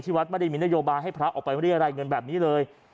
ที่วัดไม่ได้มีนโยบาให้พระออกไปไม่ได้อะไรเงินแบบนี้เลย